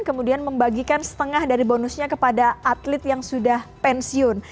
kemudian membagikan setengah dari bonusnya kepada atlet yang sudah pensiun